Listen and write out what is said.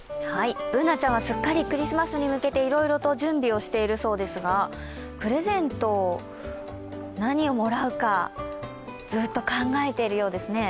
Ｂｏｏｎａちゃんはすっかりクリスマスに向けていろいろと準備をしているそうですが、プレゼント、何をもらうかずっと考えているようですね。